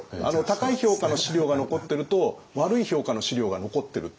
高い評価の史料が残ってると悪い評価の史料が残ってる。